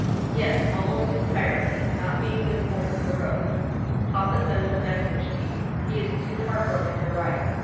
"Yes, almost entirely; not being visible from the road. Papa sends a message to you. He is too heart broken to write.